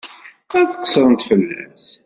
Ad qeṣṣrent fell-as.